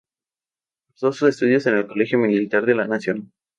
Cursó sus estudios en el Colegio Militar de la Nación.